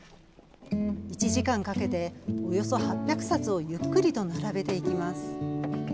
１時間かけておよそ８００冊をゆっくりと並べていきます。